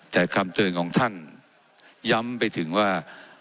แต่คำเตือนของท่านย้ำไปถึงว่า